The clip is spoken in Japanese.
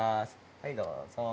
はいどうぞ。